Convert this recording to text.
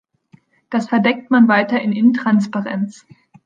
Das verdeckt man weiter in Intransparenz.